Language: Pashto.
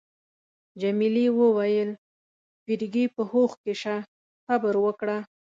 جميلې وويل: فرګي، په هوښ کي شه، صبر وکړه.